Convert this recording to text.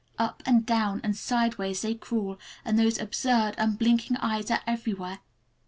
Up and down and sideways they crawl, and those absurd, unblinking eyes are everywhere.